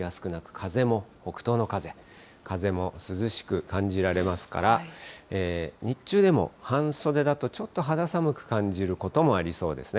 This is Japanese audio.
風も涼しく感じられますから、日中でも半袖だと、ちょっと肌寒く感じることもありそうですね。